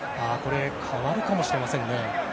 代わるかもしれませんね。